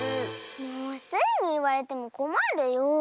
もうスイにいわれてもこまるよ。